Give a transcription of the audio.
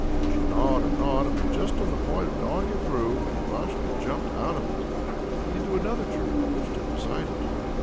She gnawed, and gnawed, and was just on the point of gnawing it through, when Ivashko jumped out of it into another tree which stood beside it.